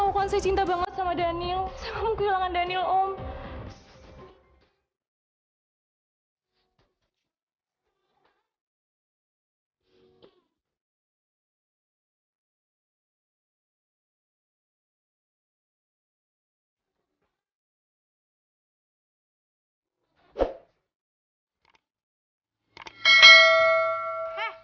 aku jangan makin tampil ke dalam kersobong